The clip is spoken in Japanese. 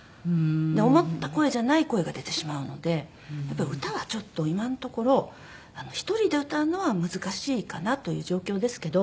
思った声じゃない声が出てしまうのでやっぱり歌はちょっと今のところ１人で歌うのは難しいかなという状況ですけど。